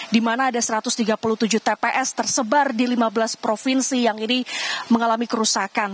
di mana ada satu ratus tiga puluh tujuh tps tersebar di lima belas provinsi yang ini mengalami kerusakan